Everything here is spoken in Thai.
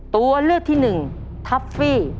ตัวเลือกที่หนึ่งทัฟฟี่